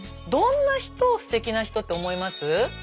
どんな人をステキな人って思います？